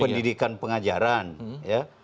pendidikan pengajaran ya